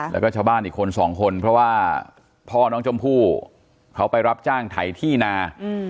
แล้วก็ชาวบ้านอีกคนสองคนเพราะว่าพ่อน้องชมพู่เขาไปรับจ้างไถที่นา